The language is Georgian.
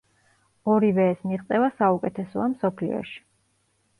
ორივე ეს მიღწევა საუკეთესოა მსოფლიოში.